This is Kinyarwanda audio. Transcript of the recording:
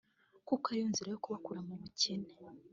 kuko ariyo nzira yo kubakura mu bukene